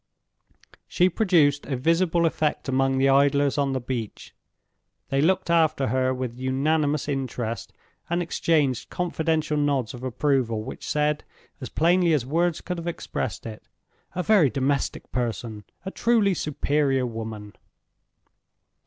She produced a visible effect among the idlers on the beach. They looked after her with unanimous interest, and exchanged confidential nods of approval which said, as plainly as words could have expressed it, "A very domestic person! a truly superior woman!"